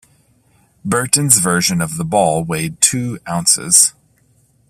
Burton's version of the ball weighed two ounces.